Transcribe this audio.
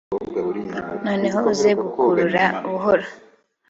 noneho uze gukurura buhoro